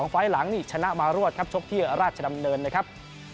ไฟล์หลังนี่ชนะมารวดครับชกที่ราชดำเนินนะครับ